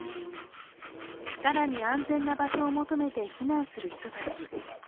更に安全な場所を求めて避難する人たち。